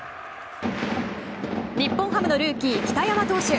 日本ハムのルーキー北山投手。